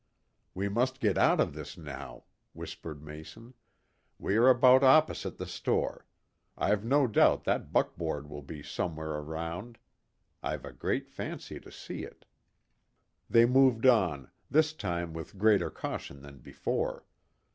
"We must get out of this now," whispered Mason. "We are about opposite the store. I've no doubt that buckboard will be somewhere around. I've a great fancy to see it." They moved on, this time with greater caution than before.